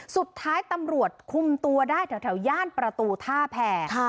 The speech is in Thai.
สุดท้ายตำรวจคุมตัวได้แถวย่านประตูท่าแผ่